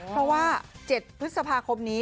เพราะว่า๗พฤษภาคมนี้